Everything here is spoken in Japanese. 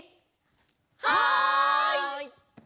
はい！